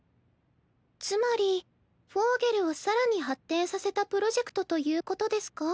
つまり「Ｖｏｇｅｌ」を更に発展させたプロジェクトということですか？